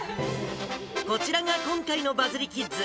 こちらが今回のバズリキッズ。